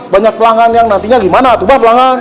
banyak pelanggan yang nantinya gimana tuh mbah pelanggan